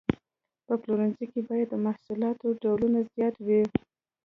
په پلورنځي کې باید د محصولاتو ډولونه زیات وي.